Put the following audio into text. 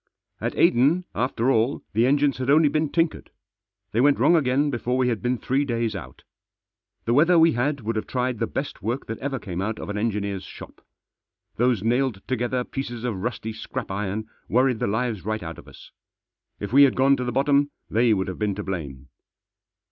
At Aden, after all, the engines had only been tinkered. They went wrong again before we had been three days out. The weather we had would have tried the best work that ever came out of an engineer's shop. Those nailed together pieces of rusty scrap iron worried the lives right out of us. If we had gone to the bottom they would have been to blame.